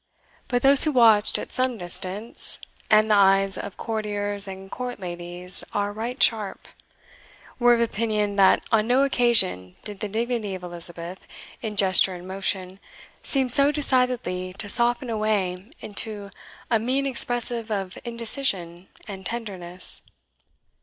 But those who watched at some distance (and the eyes of courtiers and court ladies are right sharp) were of opinion that on no occasion did the dignity of Elizabeth, in gesture and motion, seem so decidedly to soften away into a mien expressive of indecision and tenderness.